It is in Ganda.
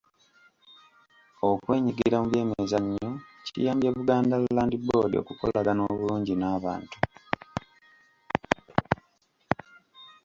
Okwenyigira mu by'emizannyo kiyambye Buganda Land Board okukolagana obulungi n'abantu.